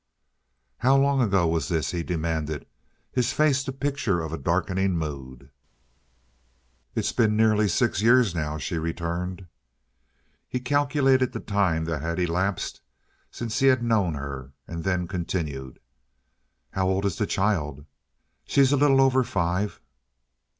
"How long ago was this?" he demanded, his face the picture of a darkling mood. "It's been nearly six years now," she returned. He calculated the time that had elapsed since he had known her, and then continued: "How old is the child?" "She's a little over five."